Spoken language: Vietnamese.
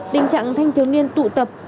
tình trạng thanh thiếu niên tụ tập